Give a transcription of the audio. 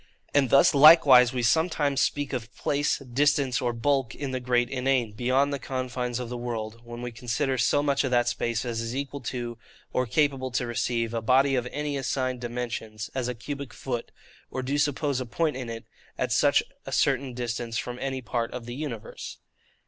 And thus likewise we sometimes speak of place, distance, or bulk, in the great INANE, beyond the confines of the world, when we consider so much of that space as is equal to, or capable to receive, a body of any assigned dimensions, as a cubic foot; or do suppose a point in it, at such a certain distance from any part of the universe.